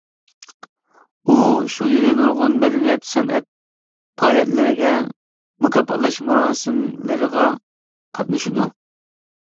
ئۇ شۇ يىلى نۇرغۇن مەدەنىيەت-سەنئەت پائالىيەتلىرىگە، مۇكاپاتلاش مۇراسىملىرىغا قاتنىشىدۇ.